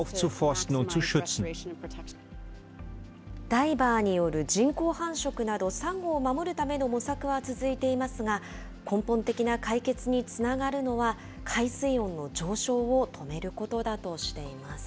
ダイバーによる人工繁殖など、サンゴを守るための模索は続いていますが、根本的な解決につながるのは、海水温の上昇を止めることだとしています。